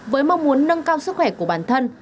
với mong muốn nâng cao sức khỏe của bản thân